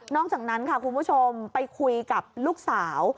อกจากนั้นค่ะคุณผู้ชมไปคุยกับลูกสาว